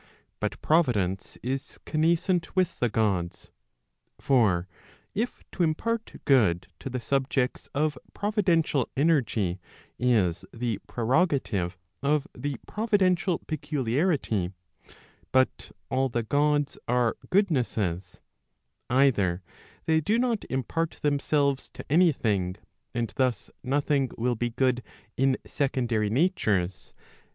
But providence is connas cent with the Gods. For if to impart good to the subjects of providential energy, is the prerogative of the providential peculiarity, but all the Gods are goodnesses, either they do not impart themselves to anything, and thus nothing will be good in secondary natures.